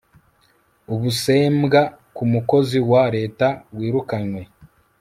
ubusembwa ku mukozi wa Leta wirukanywe